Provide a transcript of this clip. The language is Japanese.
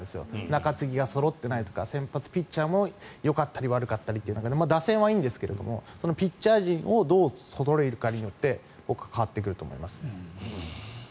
中継ぎがそろってないとか先発ピッチャーもよかったり悪かったり打線はいいんですがピッチャー陣をどうそろえるかによって変わってくると思いますね。